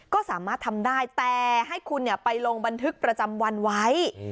ก็สามารถทำได้แต่ให้คุณไปลงบันทึกประจำวันไว้